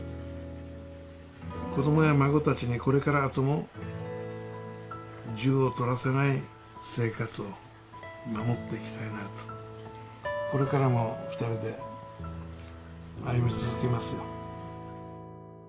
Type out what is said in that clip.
子どもや孫たちにこれからあとも銃を取らせない生活を守っていきたいなと、これからも２人で歩み続けますよ。